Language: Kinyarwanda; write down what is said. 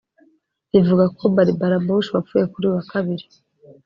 rivuga ko Barbara Bush wapfuye kuri uyu wa kabiri